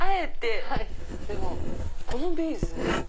でもこのビーズ。